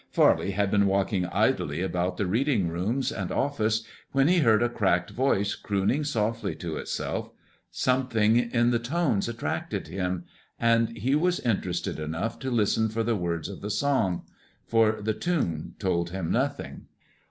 Farley had been walking idly about the reading rooms and office, when he heard a cracked voice crooning softly to itself. Something in the tones attracted him, and he was interested enough to listen for the words of the song, for the tune told him nothing.